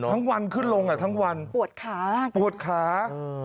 วันขึ้นลงอ่ะทั้งวันปวดขาปวดขา